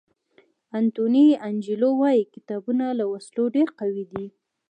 انټوني انجیلو وایي کتابونه له وسلو ډېر قوي دي.